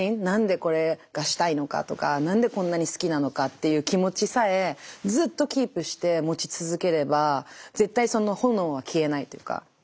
何でこれがしたいのかとか何でこんなに好きなのかっていう気持ちさえずっとキープして持ち続ければ絶対その炎は消えないというか。